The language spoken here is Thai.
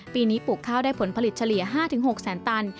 ปีนี้ปลูกข้าวได้ผลผลิตเฉลี่ย๕๖แสนตัน